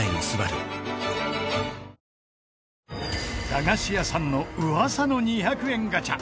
駄菓子屋さんの噂の２００円ガチャ。